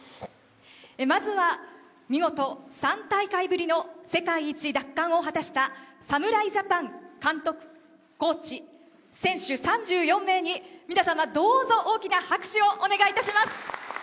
まずは見事、３大会ぶりの世界一奪還を果たした侍ジャパン監督、コーチ、選手３４名に皆様どうぞ大きな拍手をお願いします。